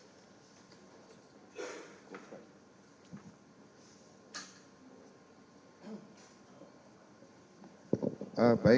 kemudian yang terdua kalau dari korban ini pernikahannya apa ya